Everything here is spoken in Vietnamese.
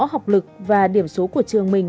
học lực và điểm số của trường mình